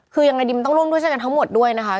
คือยังไงดีมันต้องร่วมด้วยช่วยกันทั้งหมดด้วยนะคะ